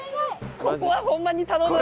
ここはホンマに頼む！